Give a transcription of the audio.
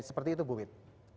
seperti itu bu wit